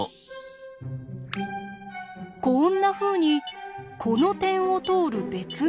こんなふうにこの点を通る別の直線